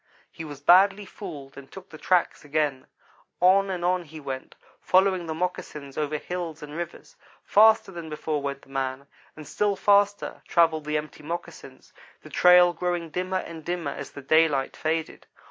He was badly fooled and took the tracks again. On and on he went, following the moccasins over hills and rivers. Faster than before went the man, and still faster travelled the empty moccasins, the trail growing dimmer and dimmer as the daylight faded.